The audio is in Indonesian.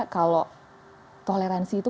kalau toleransi itu